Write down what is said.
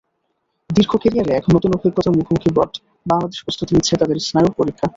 দীর্ঘ ক্যারিয়ারে এখন নতুন অভিজ্ঞতার মুখোমুখি ব্রড—বাংলাদেশ নিচ্ছে তাঁদের স্নায়ুর পরীক্ষা।